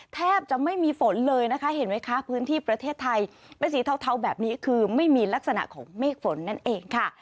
แทบจะไม่มีฝนเลยนะคะเห็นไหมคะพื้นที่ประเทศไทยเป็นสีเทาแบบนี้คือไม่มีลักษณะของเมฆฝนนั่นเองค่ะ